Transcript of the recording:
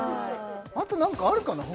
あと何かあるかな？